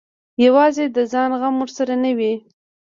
یوازې د ځان غم ورسره نه وي.